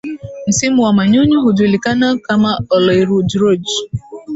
Msimu wa manyunyu hujulikana kama Oloirurujuruj